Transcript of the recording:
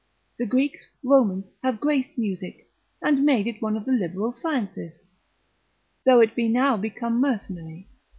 The Greeks, Romans, have graced music, and made it one of the liberal sciences, though it be now become mercenary.